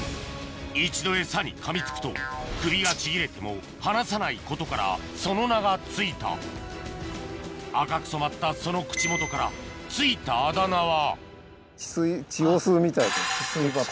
一度エサにかみつくと首がちぎれても離さないことからその名が付いた赤く染まったその口元から付いたあだ名は血吸い血を吸うみたい血吸いバッタ。